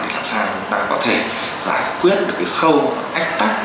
để làm sao chúng ta có thể giải quyết được cái khâu ách tạc